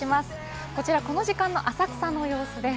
この時間の浅草の様子です。